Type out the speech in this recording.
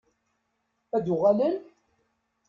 Ad d-uɣalen?